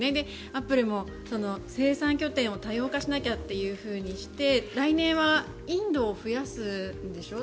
アプリも生産拠点を多様化しなきゃというふうにして来年はインドを増やすんでしょ。